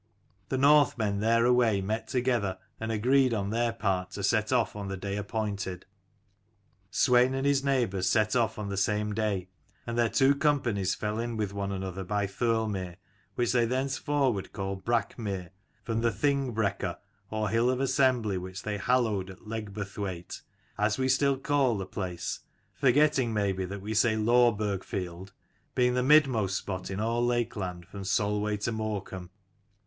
The Northmen thereaway met together and agreed on their part to set off on the day appointed : Swein and his neighbours set off on the same day : and their two companies fell in with one another by Thirlmere, which they thenceforward called Brackmere, from the Thing brekka or hill of assembly, which they hallowed at Legburthwaite, as we still call the place, forgetting maybe that we say Law burg field, being the midmost spot in all Lakeland from Solway to Morecambe.